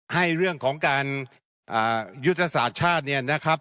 ให้เรื่องของการยุทธศาสตร์ชาติเนี่ยนะครับ